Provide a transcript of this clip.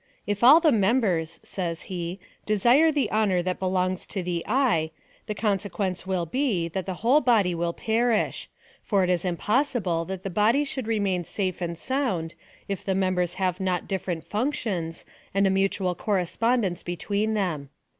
" If all the members,'' says he, " desire the honour that belongs to the eye, the consequence will be, that the whole body will perish ; for it is impossible that the body should remain safe and sound, if the members have not different functions, and a mutual correspondence between them.